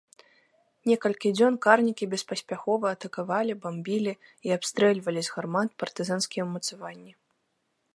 Некалькі дзён карнікі беспаспяхова атакавалі, бамбілі і абстрэльвалі з гармат партызанскія ўмацаванні.